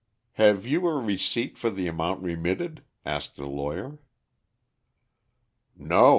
"Have you a receipt for the amount remitted?" asked the lawyer. "No.